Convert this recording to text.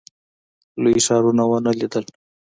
لوی ښارونه ونه لیدل.